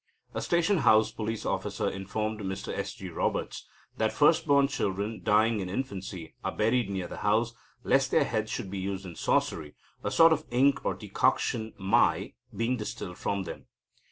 A station house police officer informed Mr S. G. Roberts that first born children, dying in infancy, are buried near the house, lest their heads should be used in sorcery, a sort of ink or decoction (mai) being distilled from them.